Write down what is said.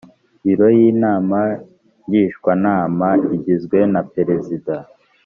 biro y inama ngishwanama igizwe na perezida